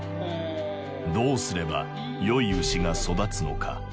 どうすれば良い牛が育つのか。